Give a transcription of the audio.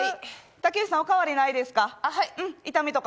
竹内さん、お変わりないですか？